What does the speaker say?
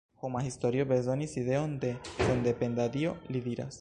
Homa historio bezonis ideon de sendependa Dio, li diras.